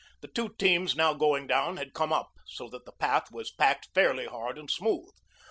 The two teams now going down had come up, so that the path was packed fairly hard and smooth.